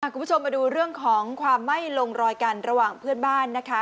คุณผู้ชมมาดูเรื่องของความไม่ลงรอยกันระหว่างเพื่อนบ้านนะคะ